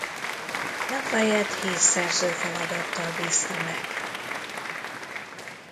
La Fayette hírszerző feladattal bízta meg.